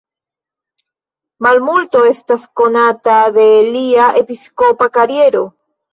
Malmulto estas konata de lia episkopa kariero.